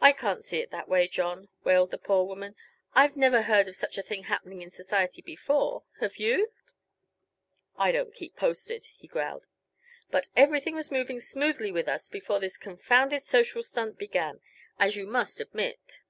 "I can't see it that way, John," wailed the poor woman. "I've never heard of such a thing happening in society before, have you?" "I don't keep posted," he growled. "But everything was moving smoothly with us before this confounded social stunt began, as you must admit."